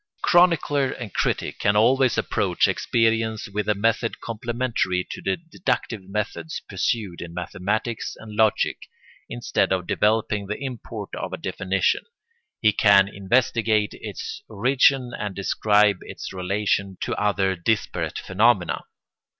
Chronicler and critic can always approach experience with a method complementary to the deductive methods pursued in mathematics and logic: instead of developing the import of a definition, he can investigate its origin and describe its relation to other disparate phenomena.